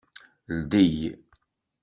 Ldey!